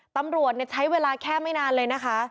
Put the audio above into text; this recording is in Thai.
ตำรวจใช้เวลาแค่ไม่นานเลยนะคะ